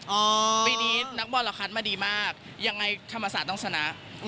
ปีนี้นักบอลเราคัดมาดีมากยังไงธรรมศาสตร์ต้องชนะ